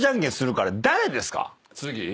次？